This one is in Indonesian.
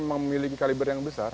memiliki kaliber yang besar